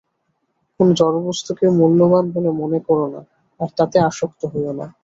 কোন জড়বস্তুকে মূল্যবান বলে মনে কর না, আর তাতে আসক্ত হয়ো না।